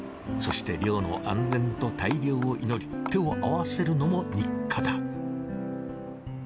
そして漁の安全と大漁を祈り手を合わせるのも日課だ。